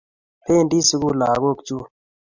Pendi sukul lagok chun